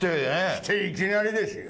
来ていきなりですよ。